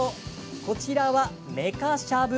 こちらは、メカしゃぶ。